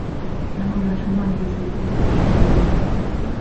能够完成漫步及部份快步。